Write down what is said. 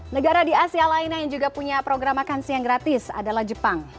negara di asia lainnya yang juga punya program makan siang gratis adalah jepang